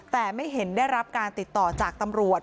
แต่ไม่เห็นได้รับการติดต่อจากตำรวจ